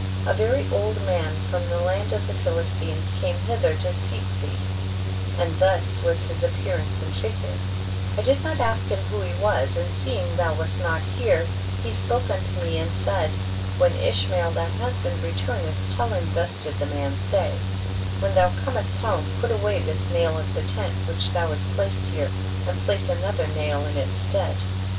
31. A very old mgn from the land of the Philistines came hither to seek thee, and thus was his appear ance and figure ; I did not ask him w^ho he was, and seeing thou wast not here he spoke unto me and said, when Ishmael they husband return eth tell him thus did this man say, when thou comest home put away this nail of the tent which thou hast placed here, and place another nail in its stead.